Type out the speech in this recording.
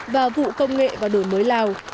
và vụ công nghệ và đổi mới lào